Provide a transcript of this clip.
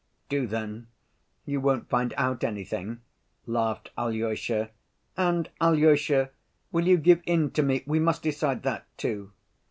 "Do, then; you won't find out anything," laughed Alyosha. "And, Alyosha, will you give in to me? We must decide that too."